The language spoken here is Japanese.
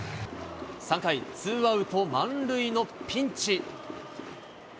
３回２アウト満塁のピンチ。